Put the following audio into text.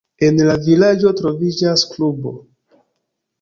En la vilaĝo troviĝas klubo.